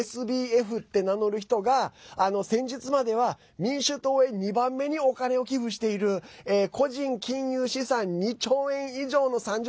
ＳＢＦって名乗る人が先日までは民主党へ２番目にお金を寄付している個人金融資産２兆円以上の３０歳。